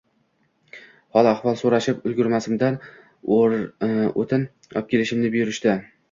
Hol-ahvol so‘rashib ulgurmasimdan, o‘tin opkelishimni buyurishdi